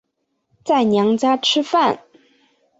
在娘家吃饭